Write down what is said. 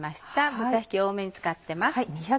豚ひき多めに使ってます。